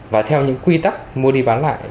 và theo những quy tắc mua đi bán lại